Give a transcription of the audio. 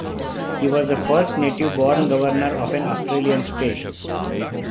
He was the first native-born governor of an Australian state.